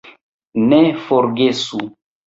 Ne forgesu!